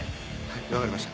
分かりました。